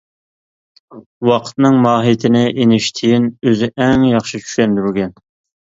ۋاقىتنىڭ ماھىيىتىنى ئېينىشتىيىن ئۆزى ئەڭ ياخشى چۈشەندۈرگەن.